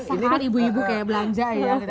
sekarang ibu ibu kayak belanja ya